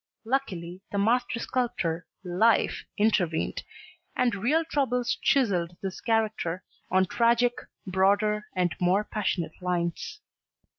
Luckily the master sculptor Life intervened and real troubles chiselled his character on tragic, broader and more passionate lines.